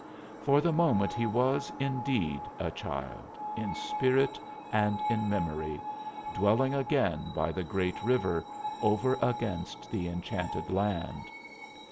For the moment he was, indeed, a child, in spirit and in memory, dwelling again by the great river, over against the Enchanted Land!